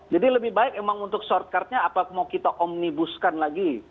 jadi lebih baik memang untuk short cardnya apakah mau kita omnibuskan lagi